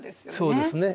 そうですね。